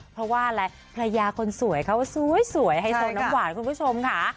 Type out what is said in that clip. เพราะว่าอะไรภรรยาคนสวยเขาสวยไฮโซน้ำหวานคุณผู้ชมค่ะ